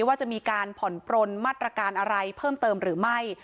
ว่าจะมีการผ่อนปลนมาตรการอะไรเพิ่มเติมหรือไม่